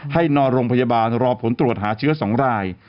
ให้นอนโรงพยาบาลรอผลตรวจหาเชื้อ๒ราย